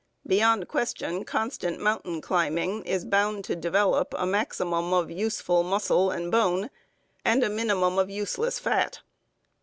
Beyond question, constant mountain climbing is bound to develop a maximum of useful muscle and bone and a minimum of useless fat.